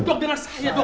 dok denger saya dok